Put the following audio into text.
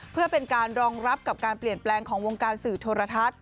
เพื่อเป็นการรองรับกับการเปลี่ยนแปลงของวงการสื่อโทรทัศน์